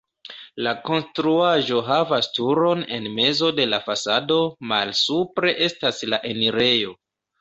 La konstruaĵo havas turon en mezo de la fasado, malsupre estas la enirejo.